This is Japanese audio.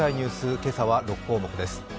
今朝は６項目です。